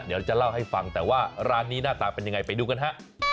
เดี๋ยวจะเล่าให้ฟังแต่ว่าร้านนี้หน้าตาเป็นยังไงไปดูกันฮะ